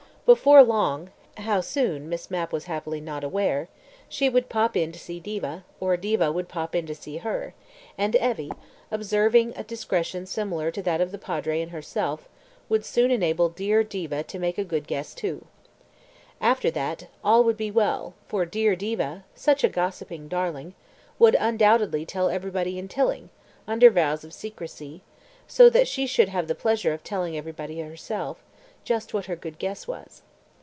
Before long (how soon Miss Mapp was happily not aware) she would "pop in" to see Diva, or Diva would "pop in" to see her, and Evie, observing a discretion similar to that of the Padre and herself, would soon enable dear Diva to make a good guess too. After that, all would be well, for dear Diva ("such a gossiping darling") would undoubtedly tell everybody in Tilling, under vows of secrecy (so that she should have the pleasure of telling everybody herself) just what her good guess was.